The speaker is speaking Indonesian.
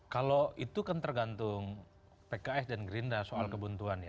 kalau itu kan tergantung pks dan gerindra soal kebuntuan ya